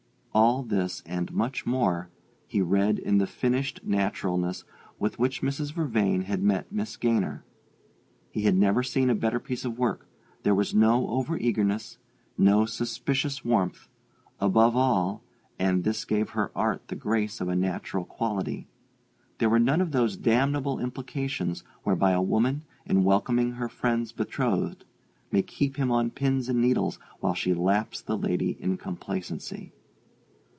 All this, and much more, he read in the finished naturalness with which Mrs. Vervain had met Miss Gaynor. He had never seen a better piece of work: there was no over eagerness, no suspicious warmth, above all (and this gave her art the grace of a natural quality) there were none of those damnable implications whereby a woman, in welcoming her friend's betrothed, may keep him on pins and needles while she laps the lady in complacency.